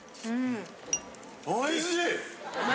おいしい！